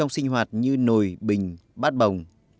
sinh hoạt như nồi bình bát bồng